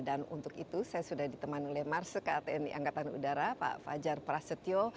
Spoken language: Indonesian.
dan untuk itu saya sudah diteman oleh marsuk tni angkatan udara pak fajar prasetyo